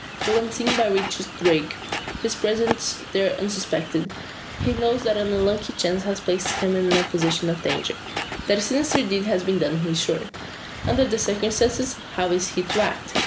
Though unseen by Richard Darke his presence there unsuspected he knows that an unlucky chance has placed him in a position of danger. That a sinister deed has been done he is sure. Under the circumstances, how is he to act?